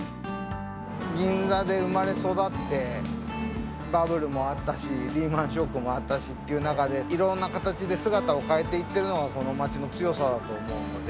銀座で生まれ育って、バブルもあったし、リーマンショックもあったしっていう中で、いろんな形で姿を変えていってるのがこの街の強さだと思うので。